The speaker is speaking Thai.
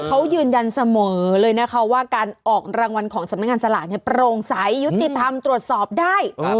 เขายืนยันเสมอเลยนะคะว่าการออกรางวัลของสำนักงานสลากโปร่งใสยุติธรรมตรวจสอบได้